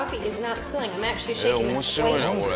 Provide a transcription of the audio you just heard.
面白いなこれ。